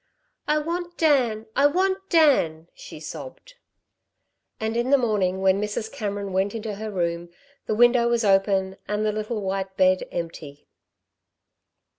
"I want Dan! I want Dan!" she sobbed. And in the morning when Mrs. Cameron went into her room, the window was open and the little white bed empty.